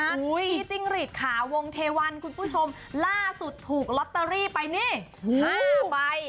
พี่จิ้งหรีดขาวงเทวันคุณผู้ชมล่าสุดถูกลอตเตอรี่ไปนี่๕ใบ